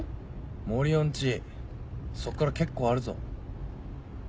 森生ん家そっから結構あるぞ。